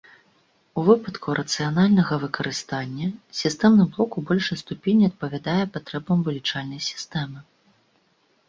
У выпадку рацыянальнага выкарыстання, сістэмны блок у большай ступені адпавядае патрэбам вылічальнай сістэмы.